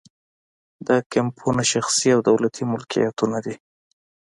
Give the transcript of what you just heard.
دا کیمپونه شخصي او دولتي ملکیتونه دي